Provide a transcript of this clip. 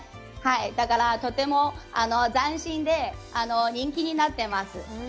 だから、とても斬新で、人気になってます。